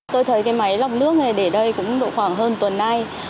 tôi thấy cái máy lọc nước này để đây cũng độ khoảng hơn tuần nay